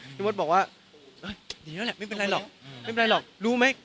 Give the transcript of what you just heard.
พี่มดบอกว่าดีแล้วแหละไม่เป็นไรหรอกไม่เป็นไรหรอกรู้ไหม